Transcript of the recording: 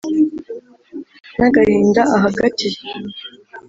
N'agahinda ahagatiye